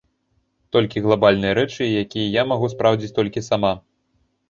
Толькі глабальныя рэчы, якія я магу спраўдзіць толькі сама.